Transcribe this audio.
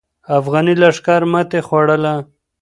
افغاني لښکر ماتې خوړله.